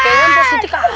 iya kelihatan positif